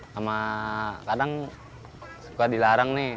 sama kadang suka dilarang nih